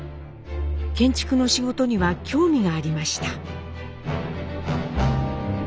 建築の仕事には興味がありました。